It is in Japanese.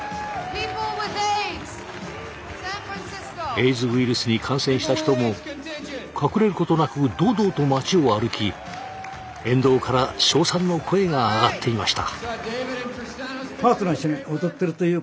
エイズウイルスに感染した人も隠れることなく堂々と街を歩き沿道から称賛の声が上がっていました。